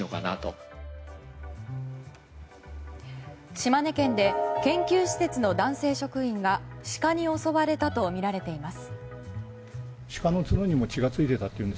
島根県で研究施設の男性職員がシカに襲われたとみられています。